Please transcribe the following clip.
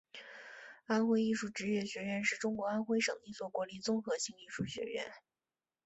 安徽艺术职业学院是中国安徽省的一所国立综合性艺术学院。